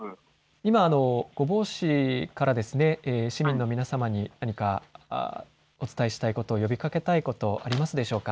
今、御坊市から市民の皆様に何か、お伝えしたいこと、呼びかけ呼びかけたいことはありますでしょうか。